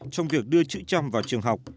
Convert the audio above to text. trong việc đưa chữ trăm vào trường học